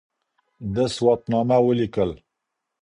ده سواتنامه وليکل